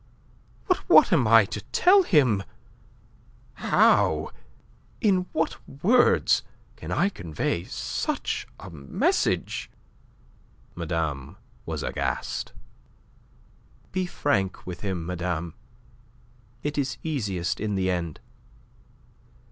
"But what am I to tell him? How... in what words can I convey such a message?" Madame was aghast. "Be frank with him, madame. It is easiest in the end.